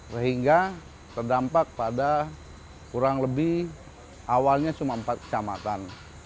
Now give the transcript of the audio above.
sehingga terdampak pada kurang lebih awalnya cuma empat kecamatan